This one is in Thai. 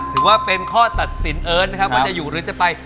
ถือว่าเป็นข้อตัดสินเอิ้นนะครับว่าจะอยู่หรือจะไป